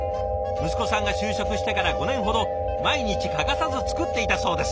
息子さんが就職してから５年ほど毎日欠かさず作っていたそうです。